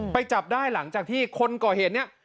จับได้หลังจากที่คนก่อเหตุเนี่ย